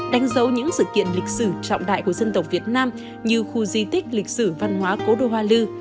đánh dấu những sự kiện lịch sử trọng đại của dân tộc việt nam như khu di tích lịch sử văn hóa cố đô hoa lư